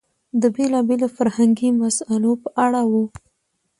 د بېلابېلو فرهنګي مسئلو په اړه و.